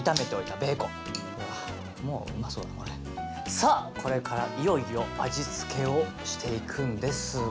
さあこれからいよいよ味付けをしていくんですが。